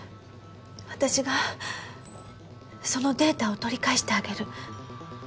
私がそのデータを取り返してあげる。